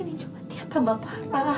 ini cuma tiap tamak pa